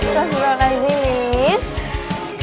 terima kasih miss